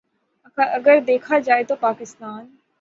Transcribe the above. اگر دیکھا جائے تو پاکستان